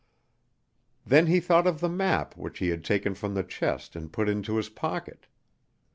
Then he thought of the map which he had taken from the chest and put into his pocket.